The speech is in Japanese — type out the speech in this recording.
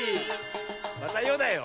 また「よ」だよ。